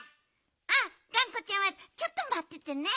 あっがんこちゃんはちょっとまっててね。